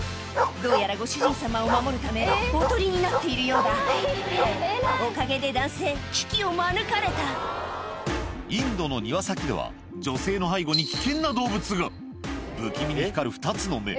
どうやらご主人様を守るためおとりになっているようだおかげで男性危機を免れたインドの庭先では女性の背後に危険な動物が不気味に光る２つの目